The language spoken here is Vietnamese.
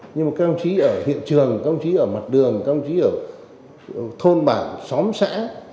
nhưng mà các ông chí ở hiện trường các ông chí ở mặt đường các ông chí ở thôn bảng xóm xã